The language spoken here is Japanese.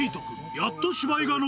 やっと芝居がノ